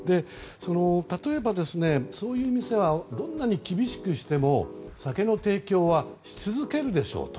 例えば、そういう店はどんなに厳しくしても酒の提供はし続けるでしょうと。